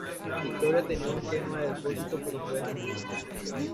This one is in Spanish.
Victoria tenía un esquema de depósito, pero fue descontinuado.